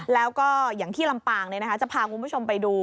แล้วก็อย่างที่ลำปางจะพาคุณผู้ชมไปดู